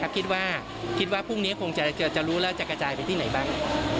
คิดว่าคิดว่าพรุ่งนี้คงจะรู้แล้วจะกระจายไปที่ไหนบ้าง